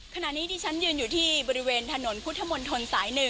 ขณะนี้ที่ฉันยืนอยู่ที่บริเวณถนนพุทธมนตรสาย๑